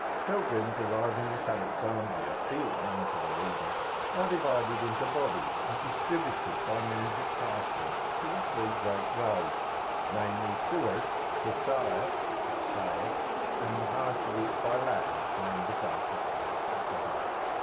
Pilgrims arriving at Alexandria, be it known to the reader, are divided into bodies, and distributed by means of passports to the three great roads, namely, Suez, Kusayr (Cosseir), and the Hajj route by land round the Gulf of al 'Akabah.